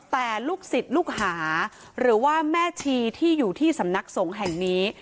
แต่ลูกศิษย์ลูกหาหรือว่าแม่ชีที่อยู่ที่สำนักสงฆ์แห่งนี้